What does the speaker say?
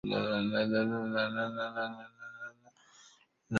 的里雅斯特街。